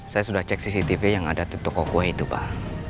saya sudah cek cctv yang ada di toko kuah itu pak